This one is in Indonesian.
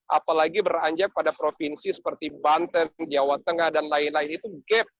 apalagi beranjak pada provinsi seperti banten jawa tengah dan lain lain itu gap